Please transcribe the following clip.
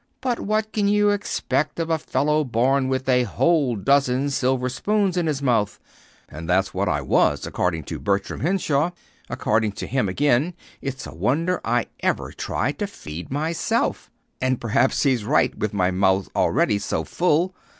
But what can you expect of a fellow born with a whole dozen silver spoons in his mouth? And that's what I was, according to Bertram Henshaw. According to him again, it's a wonder I ever tried to feed myself; and perhaps he's right with my mouth already so full."